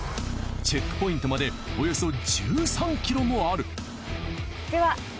チェックポイントまでおよそ１３ｋｍもある。